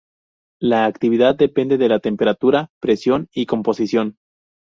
La actividad depende de la temperatura, presión y composición.